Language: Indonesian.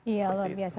iya luar biasa